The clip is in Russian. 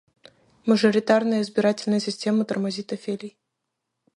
Мажоритарная избирательная система тормозит афелий.